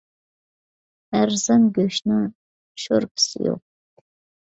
ئەرزان گۆشنىڭ شورپىسى يوق.